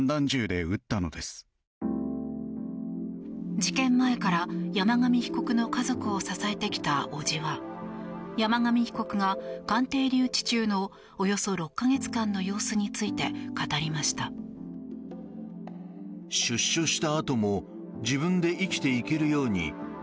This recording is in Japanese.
事件前から山上被告の家族を支えてきた伯父は山上被告が鑑定留置中のおよそ６か月間の様子について語りました。